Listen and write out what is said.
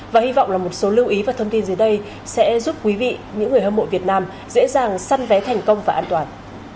và hy vọng là một số lưu ý và thông tin dưới đây sẽ giúp quý vị những người hâm mộ việt nam dễ dàng săn vé thành công và an toàn